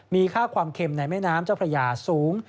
มีค่าความเค็มในแม่น้ำเจ้าพระยาสูง